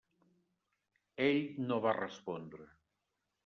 Ell no va respondre.